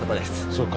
そうか。